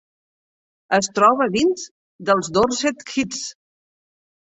Es troba dins dels Dorset Heaths.